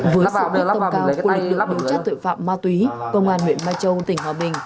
với sự tâm cao của lực lượng đối chất tội phạm ma túy công an huyện mai châu tỉnh hòa bình